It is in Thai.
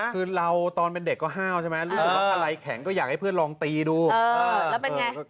คือเราตอนเป็นเด็กก็ห้าวใช่ไหมรู้สึกว่าอะไรแข็งก็อยากให้เพื่อนลองตีดูแล้วเป็นไง